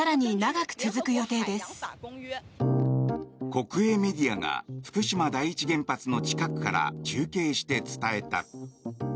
国営メディアが福島第一原発の近くから中継して伝えた。